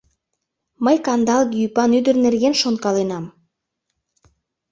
Мый кандалге ӱпан ӱдыр нерген шонкаленам.